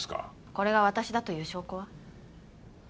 これが私だという証拠は？